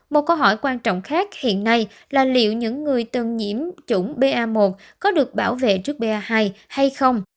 một câu hỏi quan trọng khác hiện nay là liệu những người từng nhiễm chủng ba có được bảo vệ trước ba hai hay không